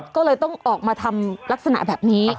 ก็เลยต้องออกมาทำลักษณะแบบนี้